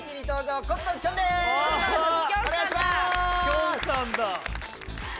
きょんさんだ！